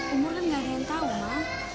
umur kan gak ada yang tahu mama